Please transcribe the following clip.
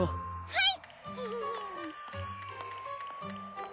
はい！